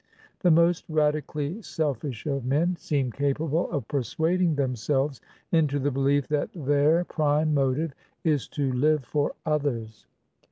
The most radically selfish of men seem capable of persuading themselves into the belief that their prime motive is to 'live for others.'